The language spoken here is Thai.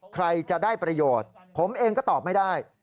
ใครจะได้ประโยชน์ผมเองก็ตอบไม่ได้